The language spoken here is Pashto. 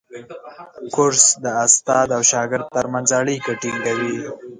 کورس د استاد او شاګرد ترمنځ اړیکه ټینګوي.